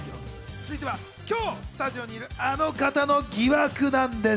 続いては今日スタジオにいるあの方の疑惑なんです。